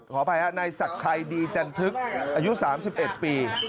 ขออภัยฮะนายศักดิ์ชัยดีจันทึกอายุ๓๑ปี